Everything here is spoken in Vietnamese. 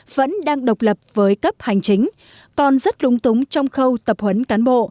vẫn đang độc lập với cấp hành chính còn rất đúng túng trong khâu tập huấn cán bộ